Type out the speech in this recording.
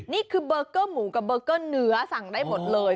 นี่คือเบอร์เกอร์หมูกับเบอร์เกอร์เนื้อสั่งได้หมดเลย